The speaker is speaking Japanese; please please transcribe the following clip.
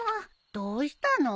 どうしたの？